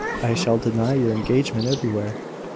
I shall deny your engagement everywhere."